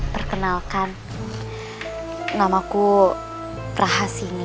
perkenalkan nama ku rahas ini